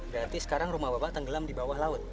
berarti sekarang rumah bapak tenggelam di bawah laut